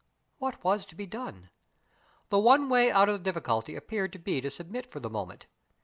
What was to be done? The one way out of the difficulty appeared to be to submit for the moment.